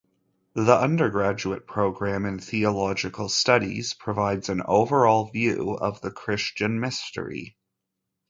The undergraduate program in theological studies provides an overall view of the Christian Mystery.